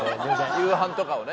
夕飯とかをね